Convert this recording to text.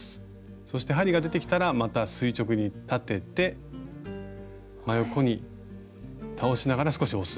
そして針が出てきたらまた垂直に立てて真横に倒しながら少し押す。